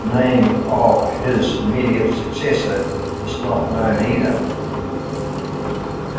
The name of his immediate successor is not known either.